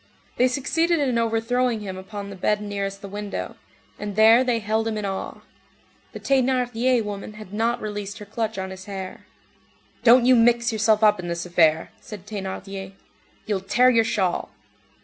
They succeeded in overthrowing him upon the bed nearest the window, and there they held him in awe. The Thénardier woman had not released her clutch on his hair. "Don't you mix yourself up in this affair," said Thénardier. "You'll tear your shawl."